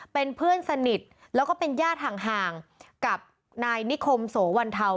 เป็นเพื่อนสนิทแล้วก็เป็นญาติห่างกับนายนิคมโสวันเทา